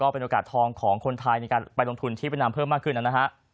เป็นโอกาสทองของคนไทยในการไปลงทุนที่เวียดนามเพิ่มมากขึ้นนะฮะ